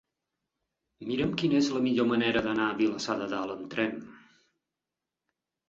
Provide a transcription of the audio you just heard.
Mira'm quina és la millor manera d'anar a Vilassar de Dalt amb tren.